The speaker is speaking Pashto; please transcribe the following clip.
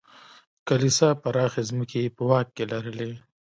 کلیسا پراخې ځمکې یې په واک کې لرلې.